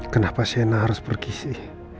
kenapa sena harus pergi sih